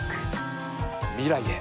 未来へ。